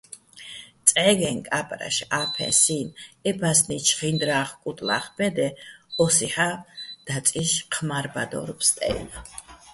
წე́გე, კა́პრაშ, ა́ფეჼ, სი́ნ - ე ბასნი, ჩხინდრა́ხ-კუტლა́ხ ბე́დეჼ, ოსიჰ̦ა́ დაწიშ ჴმა́რბადორ ფსტე́ივ.